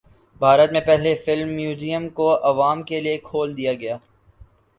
بھارت میں پہلے film museum کو عوام کے لیے کھول دیا گیا